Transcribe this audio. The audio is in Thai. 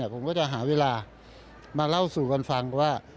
ผมก็จะหาเวลามาเล่าสู่กันฟังว่า